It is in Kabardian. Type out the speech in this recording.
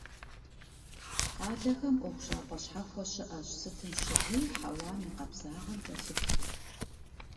Къалэхэм ӀуэхущӀапӀэ щхьэхуэ щыӀэщ, сытым щыгъуи хьэуам и къабзагъэм кӀэлъыплъу.